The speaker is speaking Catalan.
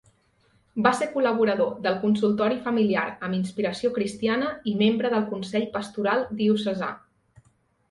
Va ser col·laborador del Consultori familiar amb inspiració cristiana i membre del consell pastoral diocesà.